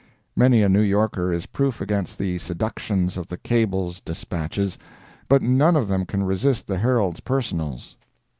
Many a New Yorker is proof against the seductions of the Cable's despatches, but none of them can resist the Herald's "Personals."